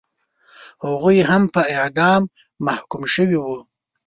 هغوی هم په اعدام محکوم شوي وو.